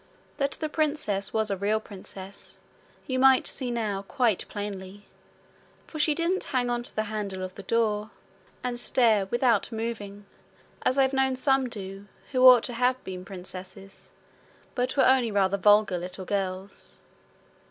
That the princess was a real princess you might see now quite plainly; for she didn't hang on to the handle of the door, and stare without moving, as I have known some do who ought to have been princesses but were only rather vulgar little girls.